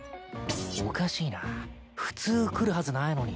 おかしいなぁ普通来るはずないのに